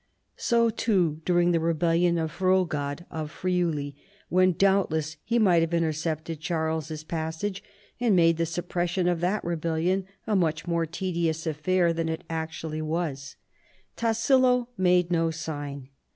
So too during the rebellion of Ilrodgaud of Friuli, when doubtless he might have intercepted Charles's passage, and made the suppression of that rebellion a much more tedious affair than it actually was, Tassilo made no sign.